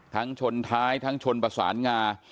ชนท้ายทั้งชนประสานงา